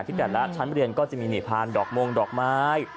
แต่ละชั้นเรียนก็จะมีหนีพานดอกมงดอกไม้